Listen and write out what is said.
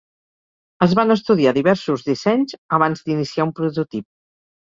Es van estudiar diversos dissenys abans d'iniciar un prototip.